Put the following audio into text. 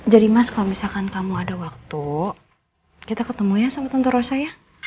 jadi mas kalau misalkan kamu ada waktu kita ketemu ya sama tante rosa ya